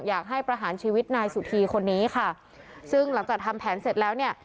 อยากให้ประหารชีวิตนายสุธีคนนี้ค่ะซึ่งหลังจากทำแผนเสร็จแล้วเนี่ย